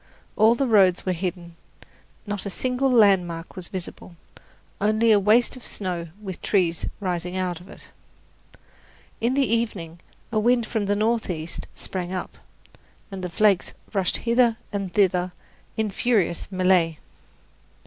All the roads were hidden, not a single landmark was visible, only a waste of snow with trees rising out of it. In the evening a wind from the northeast sprang up, and the flakes rushed hither and thither in furious melee.